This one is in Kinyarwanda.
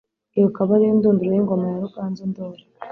Iyo akaba ariyo ndunduro y'Ingoma ya Ruganzu Ndoli